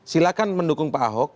silahkan mendukung pak ahok